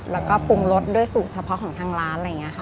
แล้วก็ปรุงรสด้วยสูตรเฉพาะของทางร้านอะไรอย่างนี้ค่ะ